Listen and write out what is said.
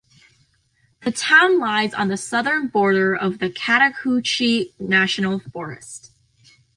The town lies on the southern border of the Chattahoochee National Forest.